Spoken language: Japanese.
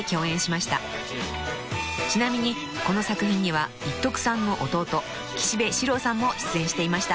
［ちなみにこの作品には一徳さんの弟岸部シローさんも出演していました］